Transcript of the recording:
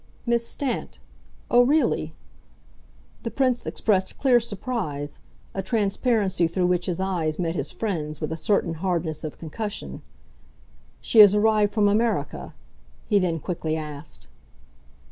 "Miss Stant? Oh really?" The Prince expressed clear surprise a transparency through which his eyes met his friend's with a certain hardness of concussion. "She has arrived from America?" he then quickly asked.